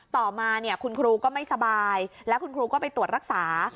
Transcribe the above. ต่อมาเนี่ยคุณครูก็ไม่สบายแล้วคุณครูก็ไปตรวจรักษา